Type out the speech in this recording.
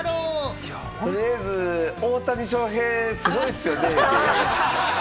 とりあえず、「大谷翔平、すごいっすよ